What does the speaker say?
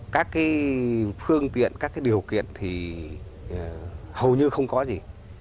các phương tiện các điều kiện thì hầu như không có gì